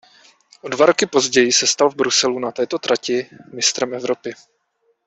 O dva roky později se stal v Bruselu na této trati mistrem Evropy.